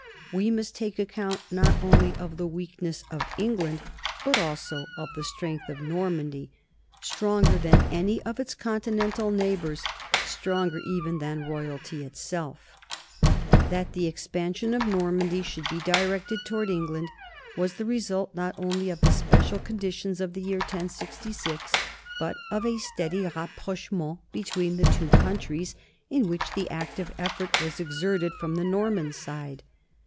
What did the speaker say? We must take account, not only of the weakness of England, but also of the strength of Normandy, stronger than any of its continental neighbors, stronger even than royalty itself. NORMANDY AND ENGLAND 73 That the expansion of Normandy should be directed toward England was the result, not only of the special conditions of the year 1066, but of a steady rapproche ment between the two countries, in which the active ef fort was exerted from the Norman side.